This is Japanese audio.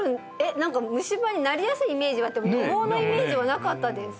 何か虫歯になりやすいイメージはあっても予防のイメージはなかったです